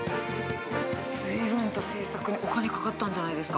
ずいぶんと製作にお金かかったんじゃないですか？